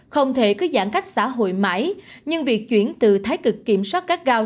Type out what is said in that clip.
không thể cứ giãn cách xã hội mãi nhưng việc chuyển từ thái cực kiểm soát các gao